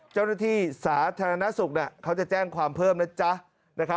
เจ้าหน้าที่สาธารณสุขเขาจะแจ้งความเพิ่มนะจ๊ะ